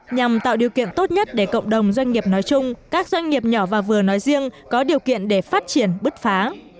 nhằm tạo điều kiện tốt nhất để cộng đồng doanh nghiệp nói chung các doanh nghiệp nhỏ và vừa nói riêng có điều kiện để phát triển bứt phá